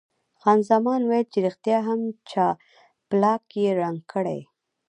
خان زمان ویل چې ریښتیا هم جاپلاک یې رنګ کړی.